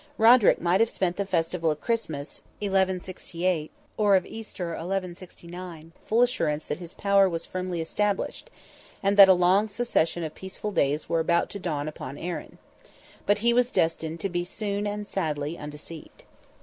Roderick might have spent the festival of Christmas, 1168, or of Easter, 1169, in the full assurance that his power was firmly established, and that a long succession of peaceful days were about to dawn upon Erin. But he was destined to be soon and sadly undeceived.